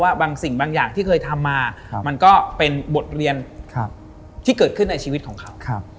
บางสิ่งบางอย่างที่เคยทำมามันก็เป็นบทเรียนที่เกิดขึ้นในชีวิตของเขา